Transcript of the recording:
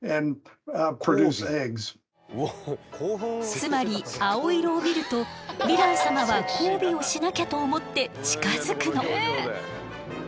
つまり青色を見るとヴィラン様は交尾をしなきゃと思って近づくの。